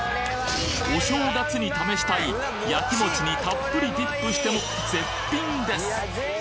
お正月に試したい焼き餅にたっぷりディップしても絶品です！